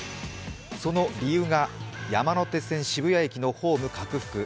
その理由が山手線・渋谷駅のホームの拡幅。